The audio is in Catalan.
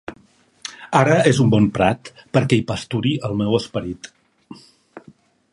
Ara és un bon prat perquè hi pasturi el meu esperit.